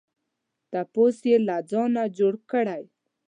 ټپوس یې له ځانه جوړ کړی.